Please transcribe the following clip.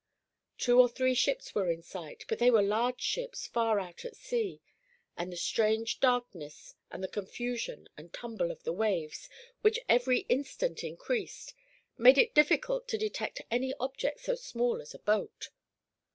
Two or three ships were in sight, but they were large ships far out at sea, and the strange darkness and the confusion and tumble of the waves, which every instant increased, made it difficult to detect any object so small as a boat.